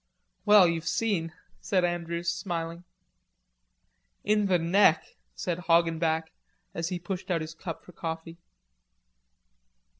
"Well, you've seen," said Andrews, smiling. "In the neck," said Hoggenback, as he pushed out his cup for coffee.